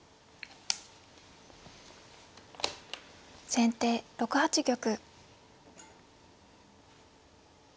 先手６八玉。